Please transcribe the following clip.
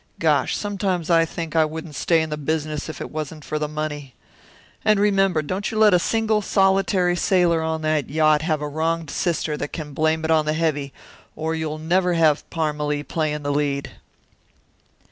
Gosh! Sometimes I think I wouldn't stay in the business if it wasn't for the money. And remember, don't you let a single solitary sailor on that yacht have a wronged sister that can blame it on the heavy, or you'll never have Parmalee playing the lead."